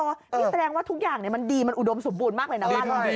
นี่แสดงว่าทุกอย่างมันดีอุดมสมบูรณ์มากเลยนะว่ะ